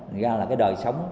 thực ra là cái đời sống